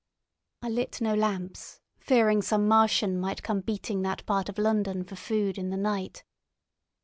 I lit no lamps, fearing some Martian might come beating that part of London for food in the night.